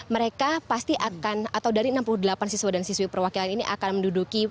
mereka pasti akan atau dari enam puluh delapan siswa dan siswi perwakilan ini akan menduduki